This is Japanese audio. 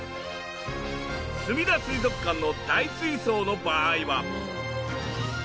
すみだ水族館の大水槽の場合は。